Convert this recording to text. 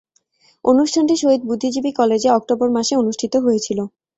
অনুষ্ঠানটি শহীদ বুদ্ধিজীবী কলেজে অক্টোবর মাসে অনুষ্ঠিত হয়েছিলো।